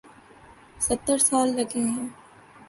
ستر سال لگے ہیں۔